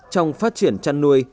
trong phát triển chăn nuôi